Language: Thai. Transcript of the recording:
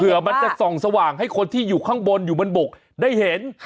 เพื่อมันจะส่องสว่างให้คนที่อยู่ข้างบนอยู่บนบกได้เห็น